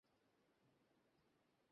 পার্থিব কোন শক্তিই ইহাকে বাধা দিতে পারে না।